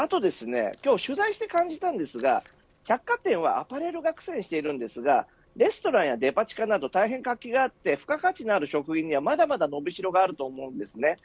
あと、今日取材していて感じたんですが、百貨店はアパレルでは苦戦していますがレストランやデパ地下など大変活気があって付加価値のある食品にはまだまだ伸びしろがあると思います。